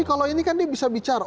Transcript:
jadi kalau ini kan bisa bicara